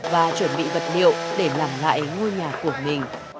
và chuẩn bị vật liệu để làm lại ngôi nhà của mình